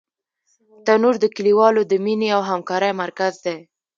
تنور د کلیوالو د مینې او همکارۍ مرکز دی